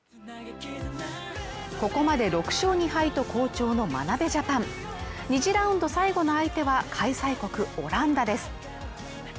ここまで６勝２敗と好調の眞鍋ジャパン２次ラウンド最後の相手は開催国オランダです